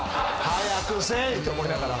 早くせいって思いながら。